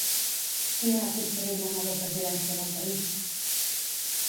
Qui ha aconseguit la nova presidència del país?